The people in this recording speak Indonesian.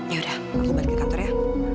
yaudah aku balik ke kantor ya